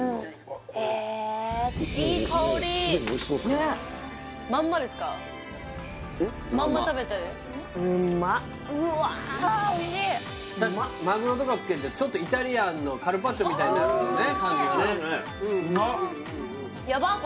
うわおいしいマグロとかつけるとちょっとイタリアンのカルパッチョみたいになるよね感じがねうまっ！